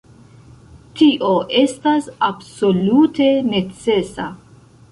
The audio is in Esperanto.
Tio estas absolute necesa!